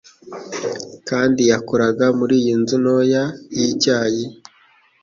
Kandi yakoraga muri iyi nzu ntoya yicyayi